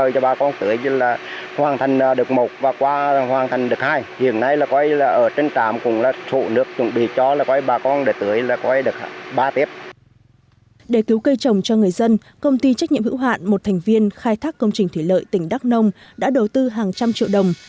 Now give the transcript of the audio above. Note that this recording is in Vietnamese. để cứu cây trồng cho người dân công ty trách nhiệm hữu hạn một thành viên khai thác công trình thủy lợi tỉnh đắk nông đã đầu tư hàng trăm triệu đồng